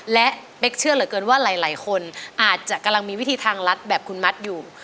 และเป๊กเชื่อเหลือเกินว่าหลายคนอาจจะกำลังมีวิธีทางรัฐแบบคุณมัดอยู่